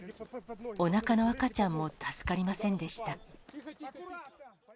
おなかの赤ちゃんも助かりませんでした。